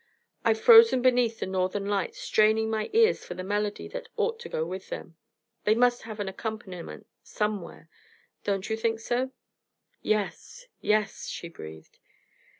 I've frozen beneath the Northern Lights straining my ears for the melody that ought to go with them they must have an accompaniment somewhere, don't you think so?" "Yes, yes," she breathed.